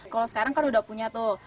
kalau sekarang kan udah punya tuh